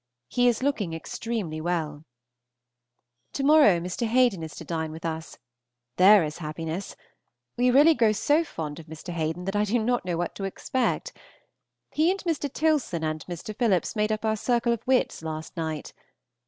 He is looking extremely well. To morrow Mr. Haden is to dine with us. There is happiness! We really grow so fond of Mr. Haden that I do not know what to expect. He and Mr. Tilson and Mr. Philips made up our circle of wits last night.